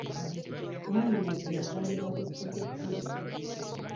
Mwannyinaze yazaalibwa ku Ssekukkulu.